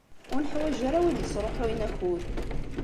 Ur neḥwaj ara wid yesṛuḥuyen akud.